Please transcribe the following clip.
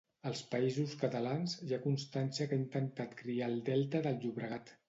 Als Països Catalans, hi ha constància que ha intentat criar al Delta del Llobregat.